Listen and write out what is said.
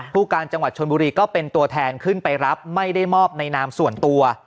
ผู้การจังหวัดชนบุรีก็เป็นตัวแทนขึ้นไปรับไม่ได้มอบในนามส่วนตัว